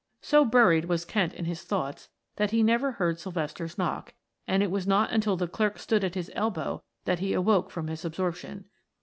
So buried was Kent in his thoughts that he never heard Sylvester's knock, and it was not until the clerk stood at his elbow that he awoke from his absorption.